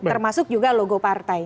termasuk juga logo partai